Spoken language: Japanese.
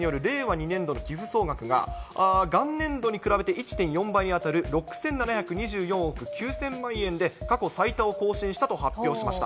２年度の寄付総額が、元年度に比べて１．４倍に当たる６７２４億９０００万円で、過去最多と更新したと発表しました。